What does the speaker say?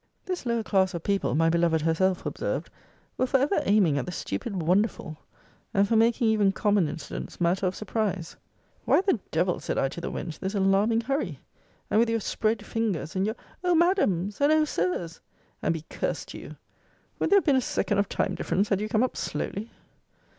This lower class of people, my beloved herself observed, were for ever aiming at the stupid wonderful, and for making even common incidents matter of surprise. Why the devil, said I to the wench, this alarming hurry? And with your spread fingers, and your O Madams, and O Sirs! and be cursed to you! Would there have been a second of time difference, had you come up slowly?